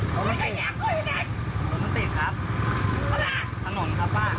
ถนนครับบ้าน